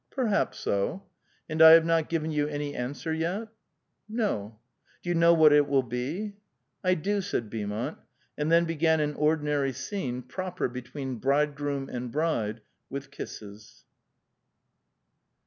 *' Perhaps so." " And I have not given you any answer 3'et?" " No." '* Do you know what it will be?" " I do," said Beaumont, and then began an ordinary scene, proper between "bridegroom" and "bride," with kisses.